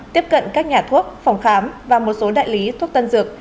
tiếp cận các nhà thuốc phòng khám và một số đại lý thuốc tân dược